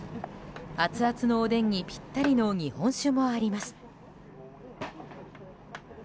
アツアツのおでんにぴったりの日本酒もあります。